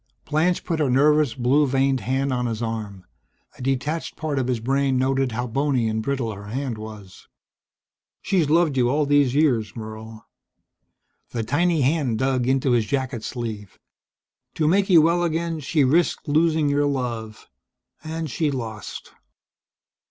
Blanche put her nervous, blue veined hand on his arm. A detached part of his brain noted how bony and brittle her hand was. "She's loved you all these years, Merle." The tiny hand dug into his jacket sleeve. "To make you well again she risked losing your love and she lost."